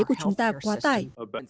của chúng ta quá tải